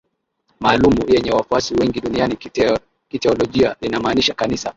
maalumu yenye wafuasi wengi duniani Kiteolojia linamaanisha Kanisa